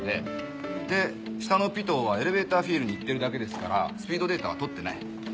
で下のピトーはエレベーターフィールにいってるだけですからスピードデータはとってない。